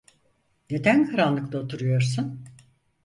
Neden karanlıkta oturuyorsun?